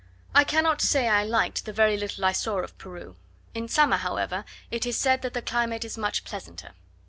I cannot say I liked the very little I saw of Peru: in summer, however, it is said that the climate is much pleasanter.